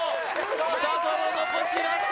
北園残しました！